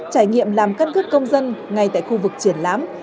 trải nghiệm làm căn cước công dân ngay tại khu vực triển lãm